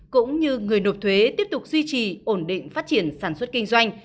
cũng như người nộp thuế tiếp tục duy trì ổn định phát triển sản xuất kinh doanh